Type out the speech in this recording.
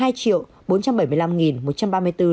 hai bốn trăm bảy mươi năm một trăm ba mươi bốn liều mũi một